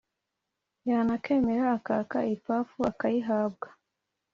yanakwemera akaka ipafu akayihabwa